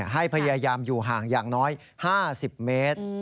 ให้พยายามอยู่ห่างอย่างน้อย๕๐เมตร